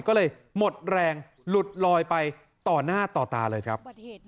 ก็เลยหมดแรงหลุดลอยไปต่อหน้าต่อตาเลยครับ